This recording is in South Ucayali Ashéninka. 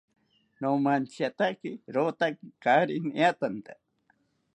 Nomantziatake rotaki kaari niatanta